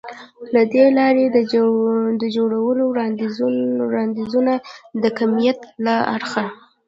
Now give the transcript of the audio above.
له دې لارې د جوړو وړاندیزونه د کمیت له اړخه